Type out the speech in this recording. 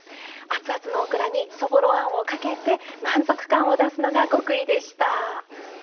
アツアツのオクラにそぼろあんをかけて満足感を出すのが極意でした。